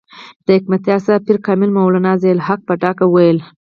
د حکمتیار صاحب پیر کامل مولانا ضیاء الحق په ډاګه وویل.